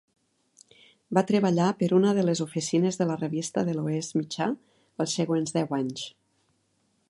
Va treballar per una de les oficines de la revista de l'oest mitjà els següents deu anys.